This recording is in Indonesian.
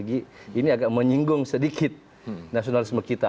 ini agak menyinggung sedikit nasionalisme kita